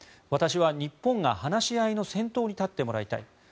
私は日本が話し合いの先頭に立ってもらいたい。